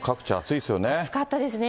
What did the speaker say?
暑かったですよね。